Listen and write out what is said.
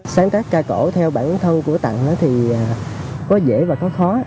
sáng tác ca cổ theo bản thân của tặng thì có dễ và có khó